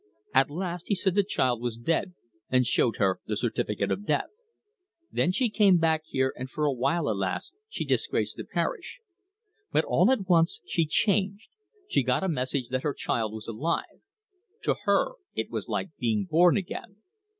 At last he said the child was dead; and showed her the certificate of death. Then she came back here, and for a while, alas! she disgraced the parish. But all at once she changed she got a message that her child was alive. To her it was like being born again.